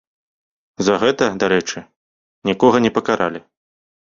За гэта, дарэчы, нікога не пакаралі.